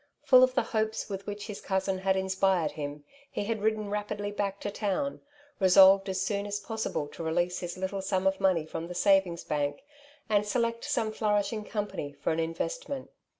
Full of the hopes with which his cousin had inspired him, he had ridden rapidly back to town^ resolved as soon as possible to release his little sum of money from the '' savings bank/' and select some flourishing company for an investment.